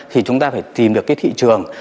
thì chúng ta phải tìm được cái thị trường